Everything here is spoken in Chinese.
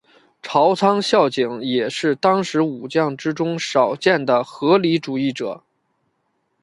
朝仓孝景也是当时武将之中少见的合理主义者。